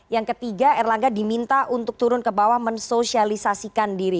yang ketiga erlangga diminta untuk turun ke bawah mensosialisasikan diri